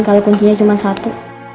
kalau kuncinya cuma satu